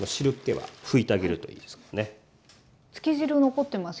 はい。